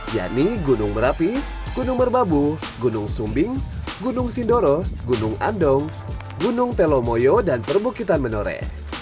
yakni gunung merapi gunung merbabu gunung sumbing gunung sindoro gunung andong gunung telomoyo dan perbukitan menore